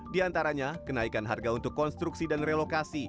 di antaranya kenaikan harga untuk konstruksi dan relokasi